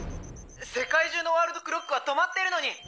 世界中のワールドクロックは止まってるのに！